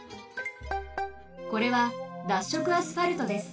これは脱色アスファルトです。